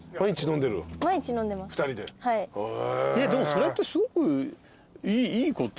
それってすごくいいことだよ。